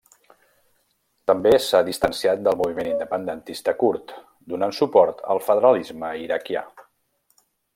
També s'ha distanciat del moviment independentista kurd, donant suport al federalisme iraquià.